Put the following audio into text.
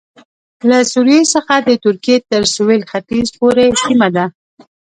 له سوریې څخه د ترکیې تر سوېل ختیځ پورې سیمه ده